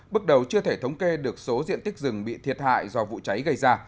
bước đầu chưa thể thống kê được số diện tích rừng bị thiệt hại do vụ cháy gây ra